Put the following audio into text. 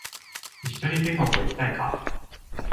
一緒に天国へ行きたいか？